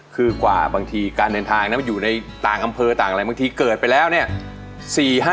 คือกว่าบางทีการเดินทางนะมันอยู่ในต่างอำเภอต่างอะไรบางทีเกิดไปแล้วเนี่ย